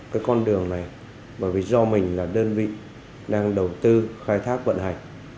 cái con đường này bởi vì do mình là đơn vị đang đầu tư khai thác vận hành